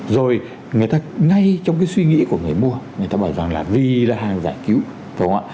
rồi người ta ngay trong cái suy nghĩ của người mua người ta bảo rằng là vì là hàng giải cứu đúng không ạ